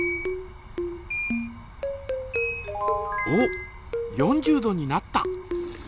おっ４０度になった。